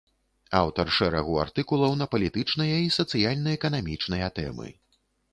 Аўтар шэрагу артыкулаў на палітычныя і сацыяльна-эканамічныя тэмы.